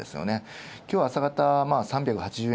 今日朝方、３８０円